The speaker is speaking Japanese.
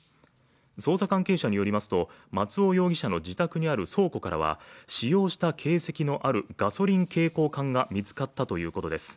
捜査関係者によりますと松尾容疑者の自宅にある倉庫からは使用した形跡のあるガソリン携行缶が見つかったということです